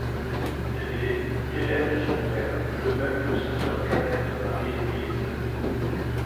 Elle est élève de son père, de même que sa sœur cadette Marie-Louise.